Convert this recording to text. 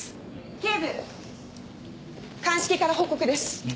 警部鑑識から報告です。